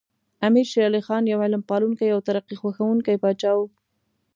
امیر شیر علی خان یو علم پالونکی او ترقي خوښوونکی پاچا و.